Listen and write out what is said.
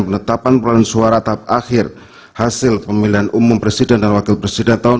penetapan perolehan suara tahap akhir hasil pemilihan umum presiden dan wakil presiden tahun dua ribu sembilan belas